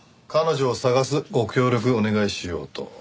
彼女を捜すご協力お願いしようと。